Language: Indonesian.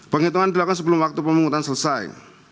penghitungan dilakukan sebelum waktu pemungutan selesai